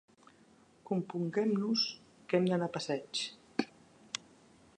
Componguem-nos, que hem d'anar a passeig.